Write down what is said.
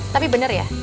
tapi bener ya